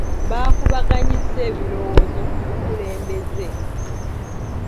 Baakubaganyizza ebirowoozo ku bukulembeze.